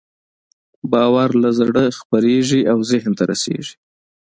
باور له زړه خپرېږي او ذهن ته رسېږي.